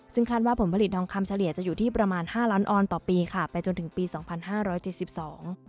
ซึ่งคาดว่าผลผลิตทองคำเฉลี่ยจะอยู่ที่ประมาณห้าล้านออนต่อปีค่ะไปจนถึงปีสองพันห้าร้อยเจ็ดสิบสอง